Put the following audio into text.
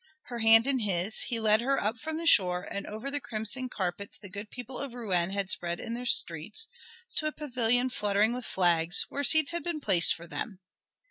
Her hand in his he led her up from the shore and over the crimson carpets the good people of Rouen had spread in their streets, to a pavilion fluttering with flags, where seats had been placed for them.